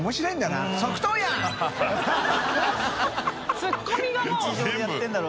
ツッコミがもう。